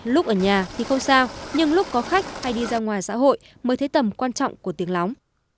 lúc ở nhà thì không sao nhưng lúc có khách hay đi ra ngoài xã hội mới thấy tầm quan trọng của tiếng lóng